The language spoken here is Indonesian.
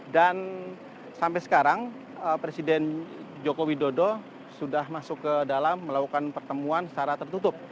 dan sampai sekarang presiden joko widodo sudah masuk ke dalam melakukan pertemuan secara tertutup